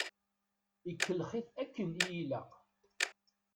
Ikellex-it akken i ilaq.